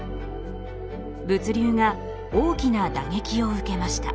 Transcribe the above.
物流が大きな打撃を受けました。